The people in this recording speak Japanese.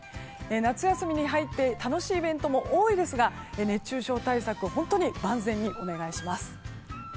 夏休みに入って楽しいイベントも多いですが熱中症対策を本当に万全にお願いします。